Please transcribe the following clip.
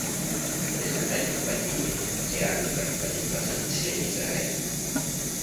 В результате нападения этих пяти армий погиб один процент населения Израиля.